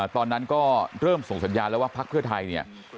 ตอนนั้นก็เริ่มส่งสัญญาณแล้วว่าพักเพื่อไทยเนี่ย